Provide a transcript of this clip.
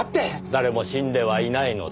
誰も死んではいないのだから。